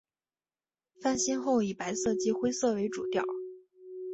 翻新后以白色及灰色为主调。